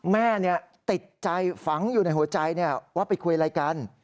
แม่ติดใจฝังอยู่ในหัวใจว่าไปคุยอะไรกัน